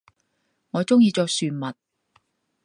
我中意着船襪